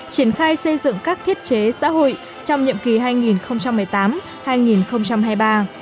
triển khai xây dựng các thiết chế xã hội trong nhiệm kỳ hai nghìn một mươi tám hai nghìn hai mươi ba